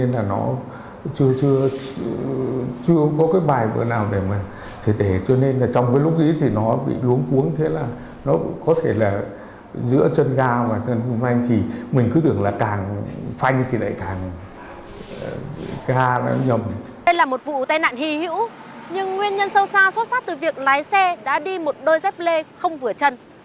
đây là một vụ tai nạn hì hữu nhưng nguyên nhân sâu xa xuất phát từ việc lái xe đã đi một đôi dép lê không vừa chân